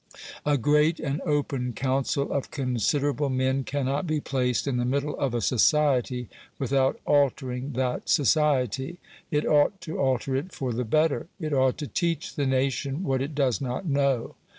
A great and open council of considerable men cannot be placed in the middle of a society without altering that society. It ought to alter it for the better. It ought to teach the nation what it does not know.